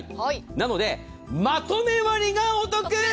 なので、まとめ割がお得！